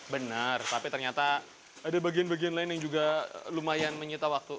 benar tapi ternyata ada bagian bagian lain yang juga lumayan menyita waktu